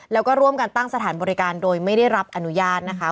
แล้วก็ร่วมกันตั้งสถานบริการโดยไม่ได้รับอนุญาตนะคะ